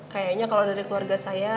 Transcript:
kayaknya kalau dari keluarga saya